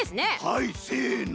はいせの。